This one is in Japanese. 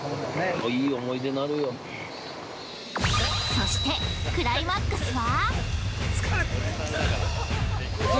◆そしてクライマックスは？